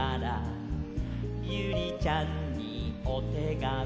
「ユリちゃんにおてがみ」